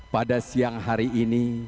pada siang hari ini